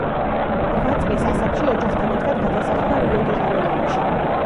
რვა წლის ასაკში, ოჯახთან ერთად გადასახლდა რიო-დე-ჟანეიროში.